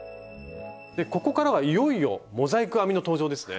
でここからはいよいよモザイク編みの登場ですね。